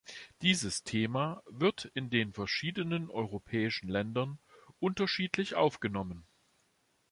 Dieses Thema wird in den verschiedenen europäischen Ländern unterschiedlich aufgenommen.